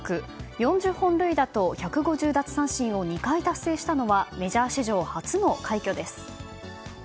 ４０本塁打と１５０奪三振を２回達成したのはメジャー史上初の快挙です。